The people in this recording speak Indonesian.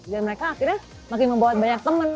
dan mereka akhirnya makin membawa banyak temen